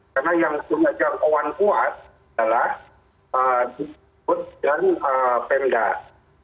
karena yang keuang kuat adalah dikut dan pendat